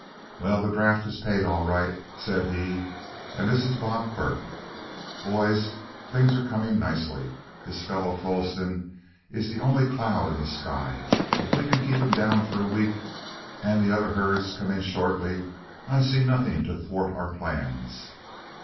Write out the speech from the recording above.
"Well, the draft was paid all right," said he; "and this is Bob Quirk. Boys, things are coming nicely. This fellow Tolleston is the only cloud in the sky. If we can keep him down for a week, and the other herds come in shortly, I see nothing to thwart our plans.